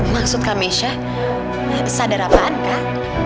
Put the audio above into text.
maksud kak misha sadar apaan kak